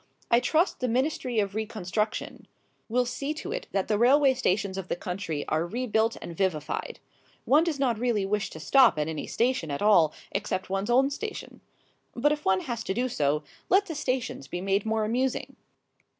I trust the Ministry of Reconstruction will see to it that the railway stations of the country are rebuilt and vivified. One does not really wish to stop at any station at all except one's own station. But if one has to do so, let the stations be made more amusing.